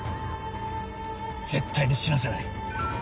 絶対に死なせない。